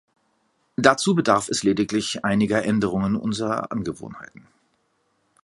Dazu bedarf es lediglich einiger Änderungen unserer Angewohnheiten.